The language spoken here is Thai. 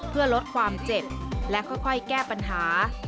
เพื่อลดความเจ็บและค่อยแก้ปัญหา